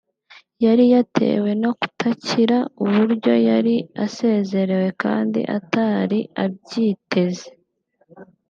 yari yatewe no kutakira uburyo yari asezerewe kandi atari abyiteze